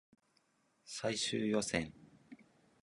最終予選